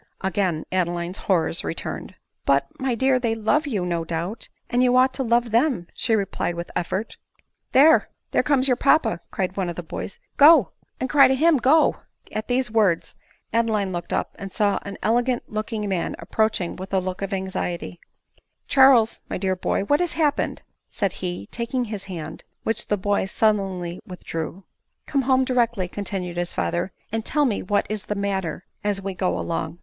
Again Adeline's horrors returned. " But, my dear, they love you no doubt ; and you ought to love them," she replied with effort. " TTiere, there comes your papa," cried one of the boys ;" go and cry to him ;— go." At these words Adeline looked up, and saw an elegant looking man approaching with a look of anxiety. s ADELINE MOWBRAY.. 157 '"Charles, my dear boy, what has happened ?" said he, taking his hand ; which the boy sullenly withdrew. " Come home directly," continued his father, " and tell me what is the matter, as we go along."